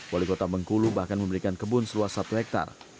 wali kota bengkulu bahkan memberikan kebun seluas satu hektare